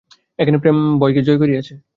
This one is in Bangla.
এখানে প্রেম ভয়কে জয় করিয়াছে।